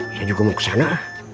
saya juga mau ke sana